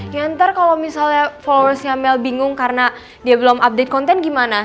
ya ntar kalau misalnya followersnya mel bingung karena dia belum update konten gimana